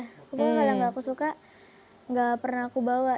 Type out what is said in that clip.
pokoknya kalau nggak aku suka gak pernah aku bawa